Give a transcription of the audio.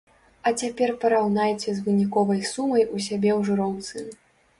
А цяпер параўнайце з выніковай сумай у сябе ў жыроўцы.